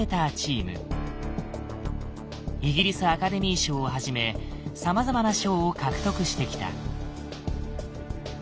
イギリスアカデミー賞をはじめさまざまな賞を獲得してきた。